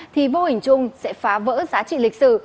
thì vô hình chung sẽ phá vỡ giá trị lịch sử